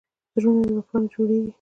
زړونه له وفا نه جوړېږي.